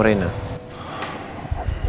kita mau ketemu rena